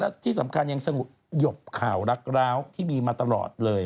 แล้วที่สำคัญสงบหยบข่าวลักลาวที่มีมาตลอดเลย